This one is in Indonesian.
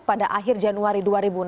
pada akhir januari dua ribu enam belas